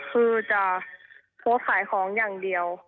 คือจะโพสต์ขายของอย่างเดียว